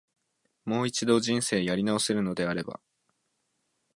もう一度、人生やり直せるのであれば、